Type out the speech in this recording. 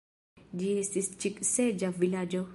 Ĝi estis ĉik-seĝa vilaĝo.